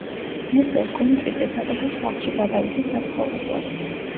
ნესტორ კონტრიძე საკუთარ სახლში გადავიდა საცხოვრებლად.